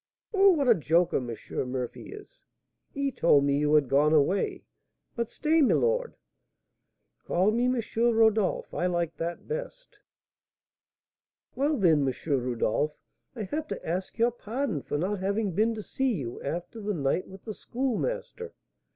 "Oh, what a joker M. Murphy is! He told me you had gone away. But stay, my lord " "Call me M. Rodolph; I like that best." "Well, then, M. Rodolph, I have to ask your pardon for not having been to see you after the night with the Schoolmaster.